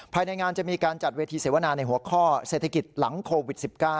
ภายในงานจะมีการจัดเวทีเสวนาในหัวข้อเศรษฐกิจหลังโควิด๑๙